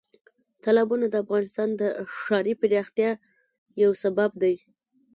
تالابونه د افغانستان د ښاري پراختیا یو سبب دی.